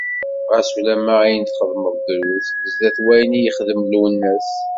Xas ulamma ayen txedmeḍ drus sdat wayen i yexdem Lwennas.